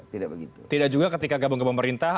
tidak begitu tidak juga ketika gabung ke pemerintah